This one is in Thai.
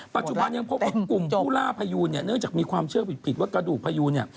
ปัจจุบันยังพบว่ากลุ่มผู้ล่าพยูนเนี่ยเนื่องจากมีความเชื่อผิดว่ากระดูกพยูนเนี่ย